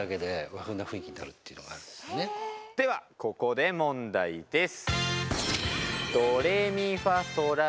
ではここで問題です。